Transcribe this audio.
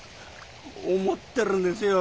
思ってるんですよ